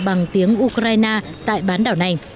bằng tiếng nga